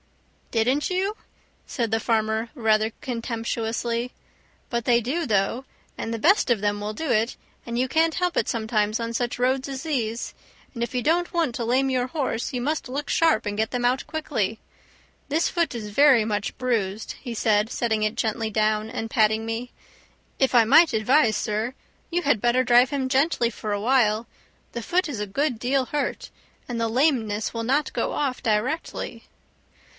"Didn't you?" said the farmer rather contemptuously; "but they do, though, and the best of them will do it, and can't help it sometimes on such roads as these. And if you don't want to lame your horse you must look sharp and get them out quickly. This foot is very much bruised," he said, setting it gently down and patting me. "If I might advise, sir, you had better drive him gently for awhile; the foot is a good deal hurt, and the lameness will not go off directly."